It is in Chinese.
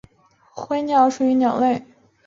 灰林鸽为鸠鸽科鸽属的鸟类。